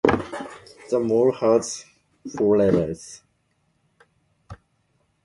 The mall has four levels.